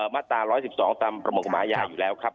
มาตรา๑๑๒ตามประมวลกฎหมายยาอยู่แล้วครับ